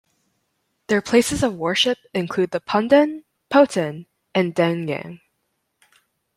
Their places of worship include the Punden, Poten and Danyang.